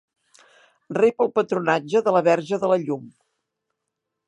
Rep el patronatge de la Verge de la Llum.